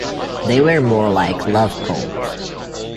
They were more like love poems.